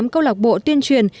một mươi tám câu lạc bộ tuyên truyền